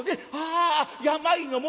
あ病の元。